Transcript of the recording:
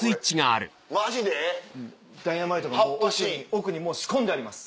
奥に仕込んであります